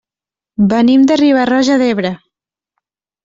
Venim de Riba-roja d'Ebre.